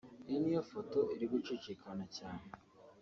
Iyi niyo foto iri gucicikana cyane